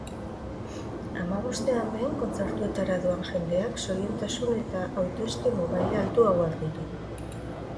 Hamabostean behin kontzertuetara doan jendeak zoriontasun eta autoestimu maila altuagoak ditu